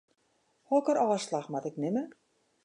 Hokker ôfslach moat ik nimme?